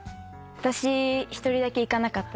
私１人だけ行かなかったり。